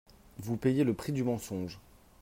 Vous payez le prix du mensonge